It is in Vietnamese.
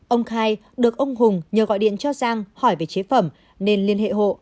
ông khai được ông hùng nhờ gọi điện cho giang hỏi về chế phẩm nên liên hệ hộ